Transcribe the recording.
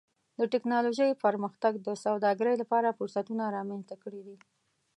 د ټکنالوجۍ پرمختګ د سوداګرۍ لپاره فرصتونه رامنځته کړي دي.